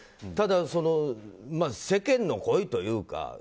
ただ、世間の声というか。